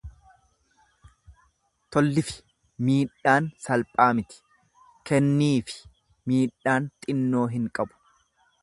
Tollifi miidhaan salphaa miti, kenniifi miidhaan xinnoo hin qabu.